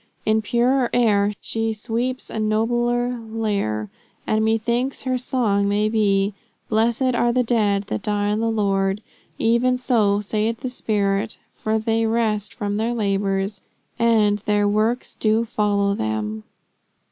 In purer air she sweeps a nobler lyre; and methinks her song may well be, "Blessed are the dead that die in the Lord; even so, saith the Spirit, for they rest from their labors, and their works do follow them."